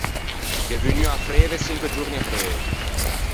Gh’é vegnuo a freve çinque giorni apreuvo.